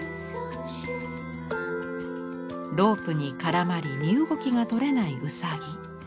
ロープに絡まり身動きが取れないウサギ。